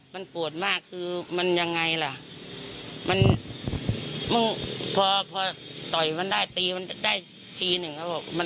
มันโกรธมากคือมันยังไงล่ะพอต่อยมันได้ตีมันได้ทีหนึ่ง